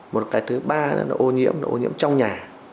một cái thứ ba là ô nhiễm là ô nhiễm trong nhà